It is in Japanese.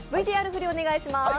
ＶＴＲ振りをお願いします。